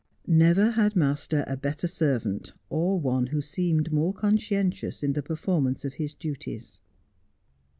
Never had master a better servant, or one who seemed more con"<iientiov;* in the performance of his duties.